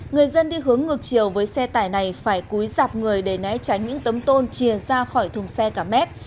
người dân đi hướng ngược chiều với xe tải này phải cúi dạp người để né tránh những tấm tôn chia ra khỏi thùng xe cả mét